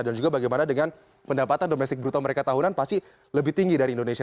dan juga bagaimana dengan pendapatan domestik bruto mereka tahunan pasti lebih tinggi dari indonesia